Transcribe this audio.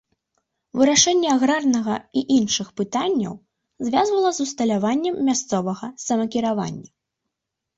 Вырашэнне аграрнага і іншых пытанняў звязвала з устанаўленнем мясцовага самакіравання.